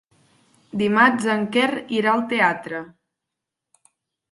Dimarts en Quer irà al teatre.